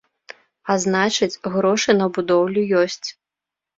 А значыць, грошы на будоўлю ёсць.